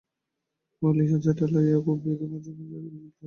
বলিয়া ঝাঁটা লইয়া খুব বেগে মার্জনকার্যে নিযুক্ত হইল।